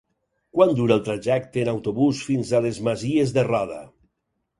Quant dura el trajecte en autobús fins a les Masies de Roda?